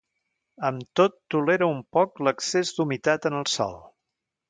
Amb tot tolera un poc l'excés d'humitat en el sòl.